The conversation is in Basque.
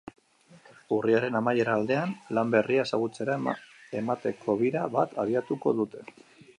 Urriaren amaiera aldean, lan berria ezagutzera emateko bira bat abiatuko dute.